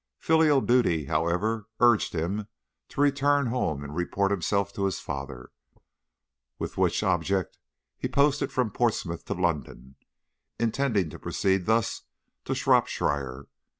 Filial duty, however, urged him to return home and report himself to his father, with which object he posted from Portsmouth to London, intending to proceed thence to Shropshire.